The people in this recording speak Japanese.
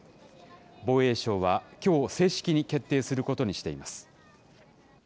防衛省はきょう正式に決定することにしています。